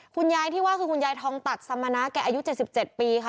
คุณยายที่ว่าคือคุณยายทองตัดสมณะแกอายุ๗๗ปีค่ะ